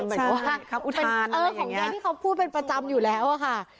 มันเหมือนกับว่าเออของแยนที่เขาพูดเป็นประจำอยู่แล้วอะค่ะ